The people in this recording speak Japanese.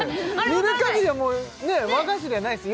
見るかぎりでは和菓子じゃないです